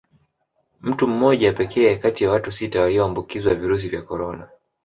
Mtu mmoja pekee kati ya watu sita walioambukizwa virusi vya Corona